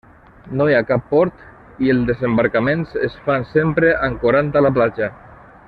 No hi ha cap port, i els desembarcaments es fan sempre ancorant a la platja.